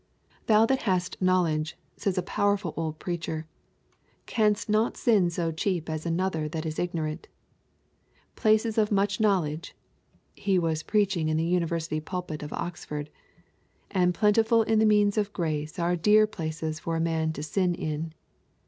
'Thou that hast knowledge,' says a powerful old preacher, 'canst not sin so cheap as another that is ignorant. Places of much knowledge' he was preaching in the university pulpit of Oxford 'and plentiful in the means of grace are dear places for a man to sin in.